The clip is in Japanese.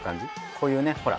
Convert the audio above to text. こういうねほら。